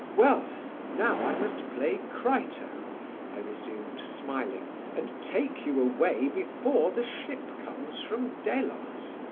"Well, now I must play Crito," I resumed, smiling, "and take you away before the ship comes from Delos."